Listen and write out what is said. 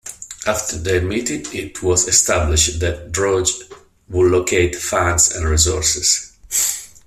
After their meeting, it was established that Droege would locate funds and resources.